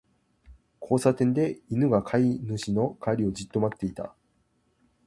交差点で、犬が飼い主の帰りをじっと待っていた。